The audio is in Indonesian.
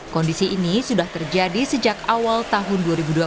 kondisi ini sudah terjadi sejak awal tahun dua ribu dua puluh